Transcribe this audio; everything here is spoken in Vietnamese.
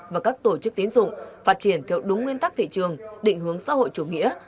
và các tổ chức tiến dụng phát triển theo đúng nguyên tắc thị trường định hướng xã hội chủ nghĩa